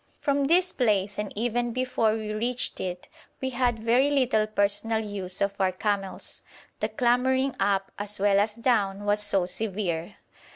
From this place and even before we reached it we had very little personal use of our camels, the clambering up as well as down was so severe.